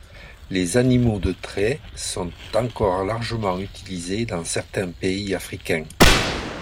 Les animaux de trait sont encore largement utilisés dans certains pays africains.